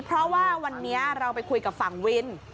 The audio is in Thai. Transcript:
เพราะว่าวันนี้เราไปคุยกับฝั่งวิน